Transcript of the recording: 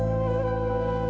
aku terlalu berharga